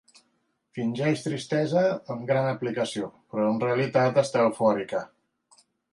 Fingeix tristesa amb gran aplicació, però en realitat està eufòrica.